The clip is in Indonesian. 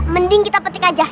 mending kita petik aja